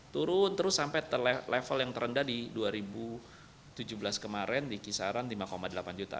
turun terus sampai level yang terendah di dua ribu tujuh belas kemarin di kisaran lima delapan juta